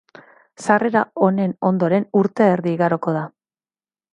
Sarrera honen ondoren urte erdi igaroko da.